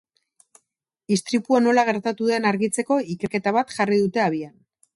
Istripua nola gertatu den argitzeko ikerketa bat jarri dute abian.